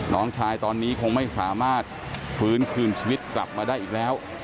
น้องชายตอนนี้คงไม่สามารถฟื้นคืนชีวิตกลับมาได้อีกแล้ว